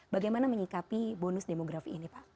bagaimana menyikapi bonus demografi ini pak